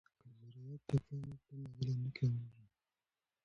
که زراعت ته پام وکړو نو غلې نه کمیږي.